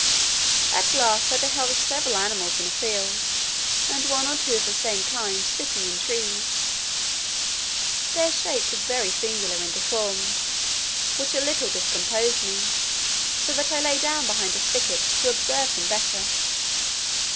At last I beheld several animals in a field, and one or two of the same kind sitting in trees. Their shape was very singular and deformed, which a little discomposed me, so that I lay down behind a thicket to observe them better.